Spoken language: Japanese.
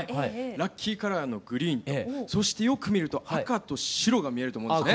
ラッキーカラーのグリーンとそしてよく見ると赤と白が見えると思うんですよね。